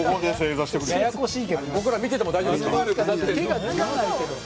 僕ら見てても大丈夫ですか？